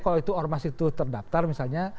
kalau itu ormas itu terdaftar misalnya